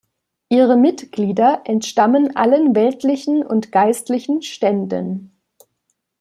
Ihre Mitglieder entstammten allen weltlichen und geistlichen Ständen.